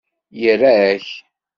Ira-k!